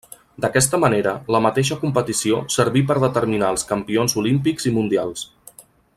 D'aquesta manera la mateixa competició serví per determinar els campions olímpics i mundials.